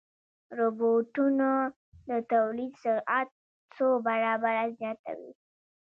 روبوټونه د تولید سرعت څو برابره زیاتوي.